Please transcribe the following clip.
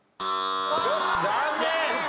残念！